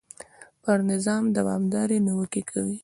پر نظام دوامدارې نیوکې کوي.